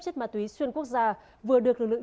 chất ma túy xuyên quốc gia vừa được lực lượng